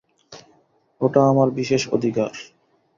ওটা আমার বিশেষ অধিকার।